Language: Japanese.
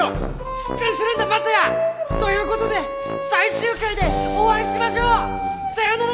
しっかりするんだ雅也！ということで最終回でお会いしましょう！さようなら！